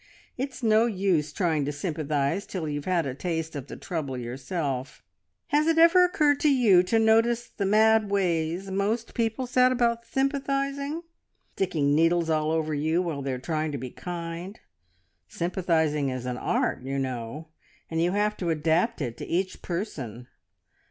It's no use trying to sympathise till you've had a taste of the trouble yourself. Has it ever occurred to you to notice the mad ways most people set about sympathising? Sticking needles all over you while they're trying to be kind. Sympathising is an art, you know, and you have to adapt it to each person.